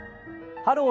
「ハロー！